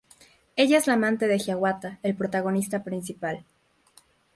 Ella es la amante de Hiawatha, el protagonista principal.